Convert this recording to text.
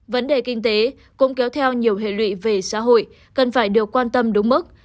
vấn đề kinh tế cũng kéo theo nhiều hệ lụy về xã hội cần phải được quan tâm đúng mức